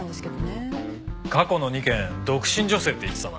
過去の２件独身女性って言ってたな。